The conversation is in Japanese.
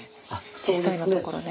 実際のところね。